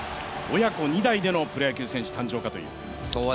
親子２代でのプロ野球選手誕生かという。